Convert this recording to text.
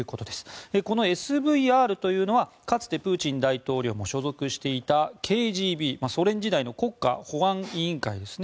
このＳＶＲというのはかつてプーチン大統領も所属していたＫＧＢソ連時代の国家保安委員会です。